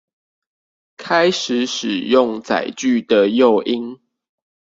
開始使用載具的誘因